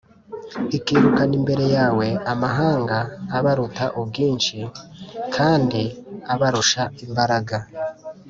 ikirukana imbere yawe amahanga abaruta ubwinshi kandi abarusha imbaraga,